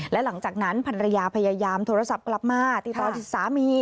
และหลังจากนั้นพันรยาพยายามโทรศัพท์กลับมาติดต่อสามี